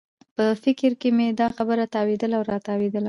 په فکر کې مې دا خبره تاوېدله او راتاوېدله.